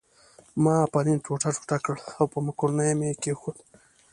ما پنیر ټوټه ټوټه کړ او په مکرونیو مې کښېښود.